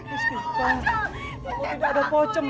istighfar ibu tidakut pocong